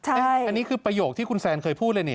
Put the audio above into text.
อันนี้คือประโยคที่คุณแซนเคยพูดเลยนี่